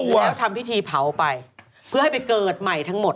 แล้วทำพิธีเผาไปเพื่อให้ไปเกิดใหม่ทั้งหมด